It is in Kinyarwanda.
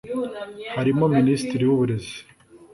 harimo Ministiri w’uburezi